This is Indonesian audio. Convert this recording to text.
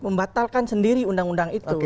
membatalkan sendiri undang undang itu